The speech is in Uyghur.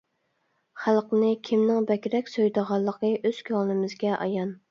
خەلقنى كىمنىڭ بەكرەك سۆيىدىغانلىقى ئۆز كۆڭلىمىزگە ئايان.